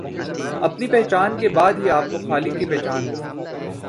اپنی پہچان کرنے کے بعد ہی آپ کو خالق کی پہچان ہوگی۔